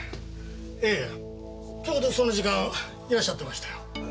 ええちょうどその時間いらっしゃってましたよ。